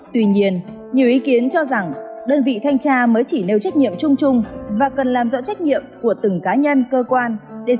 tuy nhiên nhiều ý kiến cho rằng đơn vị thanh tra mới chỉ nêu trách nhiệm chung chung và cần làm rõ trách nhiệm của từng cá nhân cơ quan